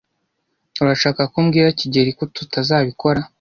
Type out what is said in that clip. Urashaka ko mbwira kigeli ko tutazabikora?